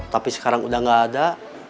tapi sekarang udah gak ada